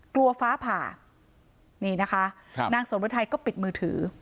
กลัวฟ้าผ่านี่นะคะครับนางสนฤทัยก็ปิดมือถือ